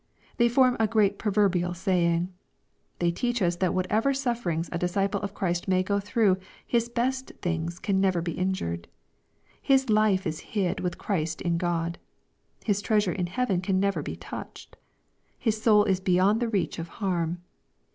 They form a great proverbial saying. They teach ua that whatever sufferings a disciple of Christ may go through, his best things can never be injured. His life is hid with Christ in God His treasure in heaven can never be touched. His soul is beyond the reach of harm.